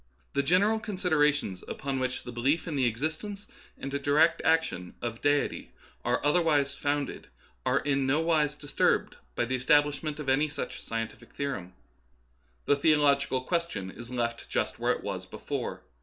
The general considerations upon which the belief in the existence and direct action of Deity are otherwise founded are in no wise disturbed by the establishment of any such scientific theorem. The theological question is left just where it was before.